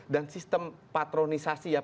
dan sistem patronisasi ya pak